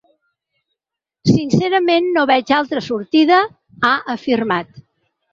Sincerament no veig altra sortida, ha afirmat.